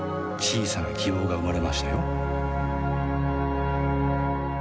小さな希望が生まれましたよ